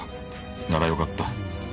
ならよかった。